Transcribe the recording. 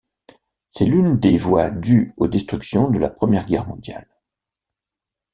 C'est l'une des voies due aux destructions de la Première Guerre mondiale.